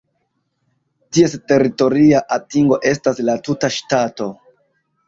Ties teritoria atingo estas la tuta ŝtato.